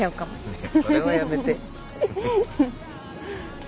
ねえそれはやめて。